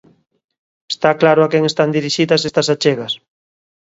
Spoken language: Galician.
Está claro a quen están dirixidas estas achegas.